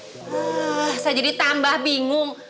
saya jadi tambah bingung